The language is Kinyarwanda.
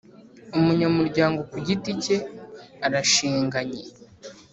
Umunyamuryango ku giti cye arashinganye